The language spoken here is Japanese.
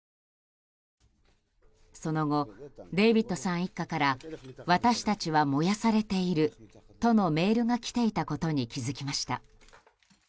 その後、デイビッドさん一家から私たちは燃やされているとのメールが来ていたことに気づきました。